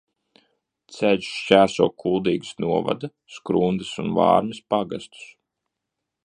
Ceļš šķērso Kuldīgas novada Skrundas un Vārmes pagastus.